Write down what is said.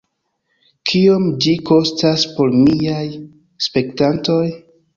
Kiom ĝi kostas por miaj spektantoj?